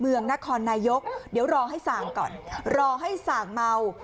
เมืองนครนายกเดี๋ยวรอให้ส่างก่อนรอให้ส่างเมา